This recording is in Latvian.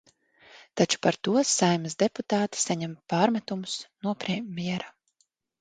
Taču par to Saeimas deputāti saņem pārmetumus no premjera.